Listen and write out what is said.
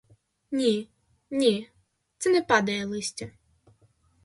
Ні, ні, це не падає листя.